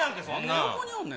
どこにおんねん。